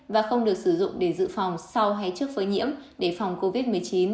và không được sử dụng để dự phòng sau hay trước phơi nhiễm để phòng covid một mươi chín